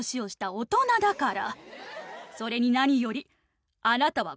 それに何よりあなたは。